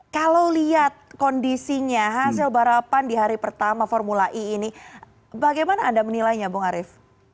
kalau lihat kondisinya hasil balapan di hari pertama formula e ini bagaimana anda menilainya bung arief